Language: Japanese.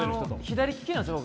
左利きなんですよ、僕。